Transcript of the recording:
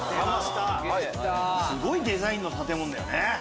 すごいデザインの建物だよね。